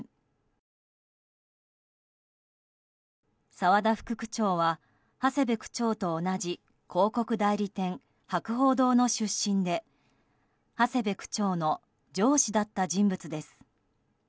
澤田副区長は長谷部区長と同じ広告代理店・博報堂の出身で長谷部区長の上司だった人物です。